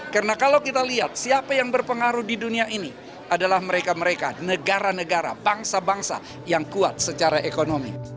karena kalau kita lihat siapa yang berpengaruh di dunia ini adalah mereka mereka negara negara bangsa bangsa yang kuat secara ekonomi